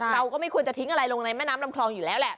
เราก็ไม่ควรจะทิ้งอะไรลงในแม่น้ำลำคลองอยู่แล้วแหละ